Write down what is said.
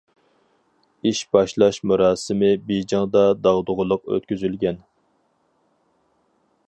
ئىش باشلاش مۇراسىمى بېيجىڭدا داغدۇغىلىق ئۆتكۈزۈلگەن.